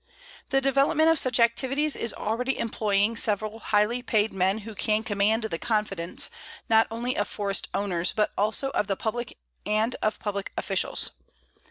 "The development of such activities is already employing several highly paid men who can command the confidence, not only of forest owners, but also of the public and of public officials.